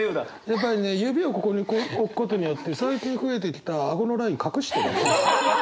やっぱりね指をここに置くことによって最近増えてきた顎のライン隠してる。